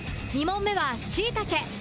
２問目はしいたけ